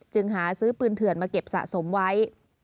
หาซื้อปืนเถื่อนมาเก็บสะสมไว้